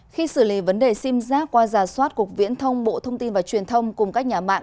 khi xử lý vấn đề sim giác qua giả soát cục viễn thông bộ thông tin và truyền thông cùng các nhà mạng